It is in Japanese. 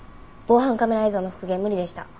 防犯カメラ映像の復元無理でした。